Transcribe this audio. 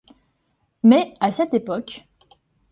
Mais, à cette époque